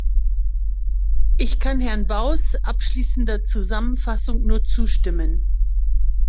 Ich kann Herrn Bowes abschließender Zusammenfassung nur zustimmen.